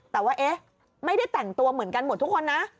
แต่ว่าเอ๊ะไม่ได้แต่งตัวเหมือนกันหมดทุกคนนะ